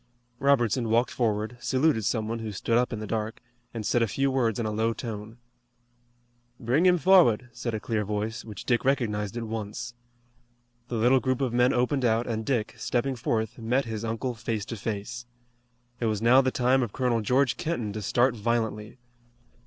Robertson walked forward, saluted some one who stood up in the dark, and said a few words in a low tone. "Bring him forward," said a clear voice, which Dick recognized at once. The little group of men opened out and Dick, stepping forth, met his uncle face to face. It was now the time of Colonel George Kenton to start violently.